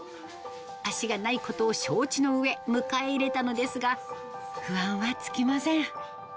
脚がないことを承知のうえ、迎え入れたのですが、不安は尽き